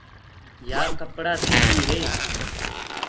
يآ ڪپڙآ سيٚنٚدي هي۔